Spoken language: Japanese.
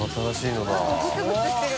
なんかグツグツしてる。